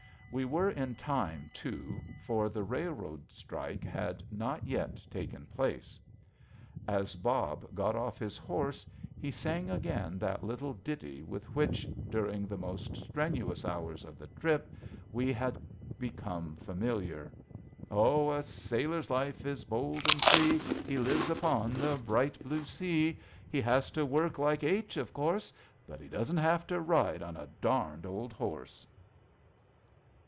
We were in time, too, for the railroad strike had not yet taken place. As Bob got off his horse, he sang again that little ditty with which, during the most strenuous hours of the trip, we had become familiar: "Oh, a sailor's life is bold and free, He lives upon the bright blue sea: He has to work like h , of course, But he doesn't have to ride on a darned old horse."